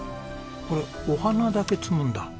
これお花だけ摘むんだ。